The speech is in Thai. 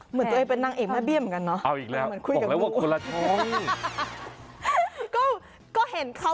เหมือนคุยกับงูอะ